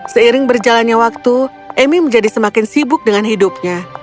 seiring berjalannya waktu emi menjadi semakin sibuk dengan hidupnya